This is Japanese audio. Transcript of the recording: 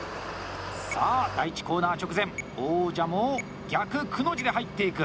さあ、第１コーナー直前王者も「逆くの字」で入っていく。